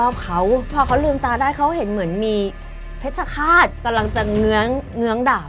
คเขาเห็นเหมือนมีเพชรฆาตกำลังจะเงื้องดาบ